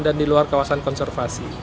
dan di luar kawasan konservasi